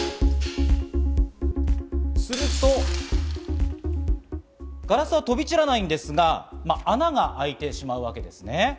すると、ガラスは飛び散らないんですが、穴があいてしまうわけです。